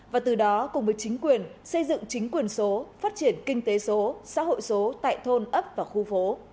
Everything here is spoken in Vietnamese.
và từ đó cùng với chính quyền xây dựng chính quyền số phát triển kinh tế số xã hội số tại thôn ấp và khu phố